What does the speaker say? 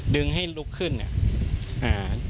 ดึงให้ลุกขึ้นอ่ะ